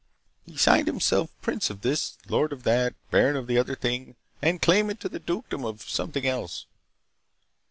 He signed himself prince of this, lord of that, baron of the other thing and claimant to the dukedom of something else.